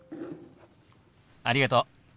ありがとう。